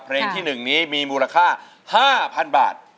เพลงที่๑นี้มีมูลค่า๕๐๐๐บาท